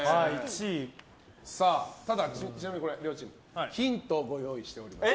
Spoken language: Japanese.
ちなみに両チームヒントをご用意しております。